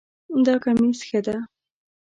دا کمیس ښه ده